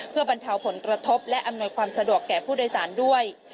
เพื่อบรรเทาผลกระทบและอำนวยความสะดวกแก่ผู้โดยสารด้วย